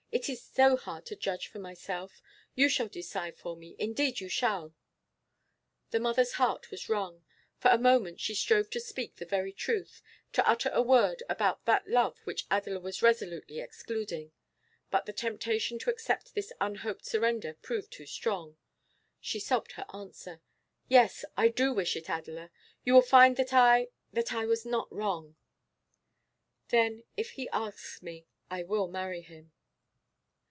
It is so hard to judge for myself. You shall decide for me, indeed you shall.' The mother's heart was wrung. For a moment she strove to speak the very truth, to utter a word about that love which Adela was resolutely excluding. But the temptation to accept this unhoped surrender proved too strong. She sobbed her answer. 'Yes, I do wish it, Adela. You will find that I that I was not wrong.' 'Then if he asks me, I will marry him.